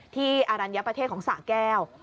อรัญญประเทศของสะแก้ว